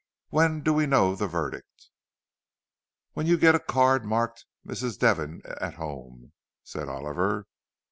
"When do we know the verdict?" "When you get a card marked 'Mrs. Devon at home,'" said Oliver.